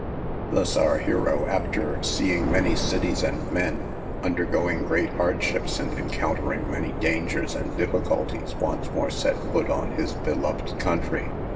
Thus our hero, after seeing many cities and men, undergoing great hardships, and encountering many dangers and difficulties, once more set foot on his beloved country.